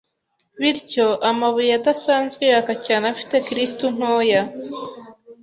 bityo amabuye adasanzwe yaka cyane afite kristuntoya